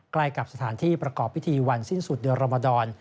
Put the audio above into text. ใกล้กับสถานที่ประกอบพิธีวันสิ้นสุดเดือนรมดร